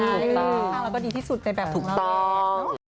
ข้างเราก็ดีที่สุดในแบบเรา